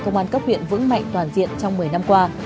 công an cấp huyện vững mạnh toàn diện trong một mươi năm qua